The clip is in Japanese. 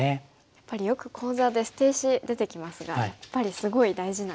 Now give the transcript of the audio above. やっぱりよく講座で捨て石出てきますがやっぱりすごい大事なんですね。